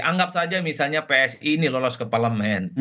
anggap saja misalnya psi ini lolos ke parlemen